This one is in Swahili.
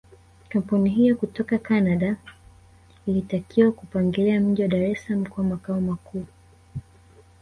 Kampuni hiyo kutoka Canada ilitakiwa kuupangilia mji wa Dar es salaam kuwa makao makuu